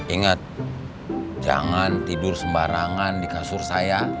ingat jangan tidur sembarangan di kasur saya